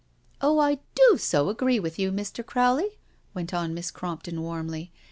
Oh, I do so agree with you, Mr. Crowley,*' went on Miss Crompton warmly.